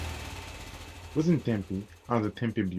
Within Tempe are the Tempe Buttes.